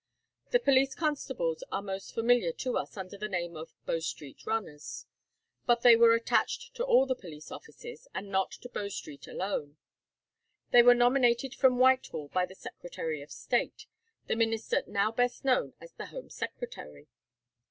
The police constables are most familiar to us under the name of "Bow Street runners," but they were attached to all the police offices, and not to Bow Street alone. They were nominated from Whitehall by the Secretary of State, the minister now best known as the Home Secretary.